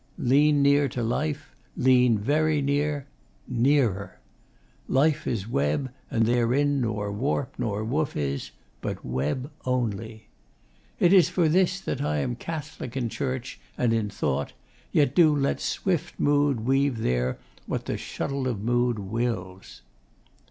'Lean near to life. Lean very near nearer. 'Life is web, and therein nor warp nor woof is, but web only. 'It is for this I am Catholick in church and in thought, yet do let swift Mood weave there what the shuttle of Mood wills.